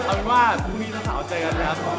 เพราะว่าพรุ่งนี้สาวเจอกันนะครับ